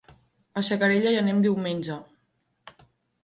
A Xacarella hi anem diumenge.